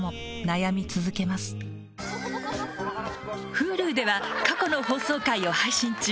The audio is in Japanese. Ｈｕｌｕでは過去の放送回を配信中。